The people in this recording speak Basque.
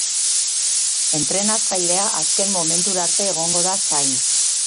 Entrenatzailea azken momentura arte egongo da zain.